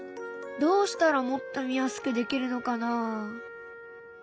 どうしたらもっと見やすくできるのかな？